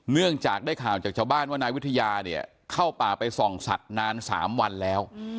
เนื่องจากได้ข่าวจากชาวบ้านว่านายวิทยาเนี่ยเข้าป่าไปส่องสัตว์นาน๓วันแล้ว